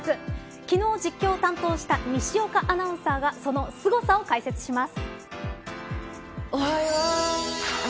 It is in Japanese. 昨日、実況を担当した西岡アナウンサーがそのすごさを解説します。